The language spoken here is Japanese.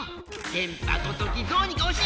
電波ごときどうにかおし！